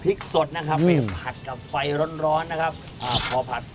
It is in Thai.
สดนะครับไปผัดกับไฟร้อนร้อนนะครับอ่าพอผัด